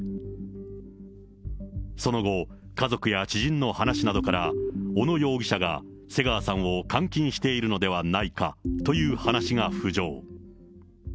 その後、家族や知人の話などから、小野容疑者が瀬川さんを監禁しているのではないかという話が浮上。